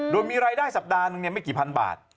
โดยมีรายได้สัปดาห์หนึ่งไม่กี่พันบาท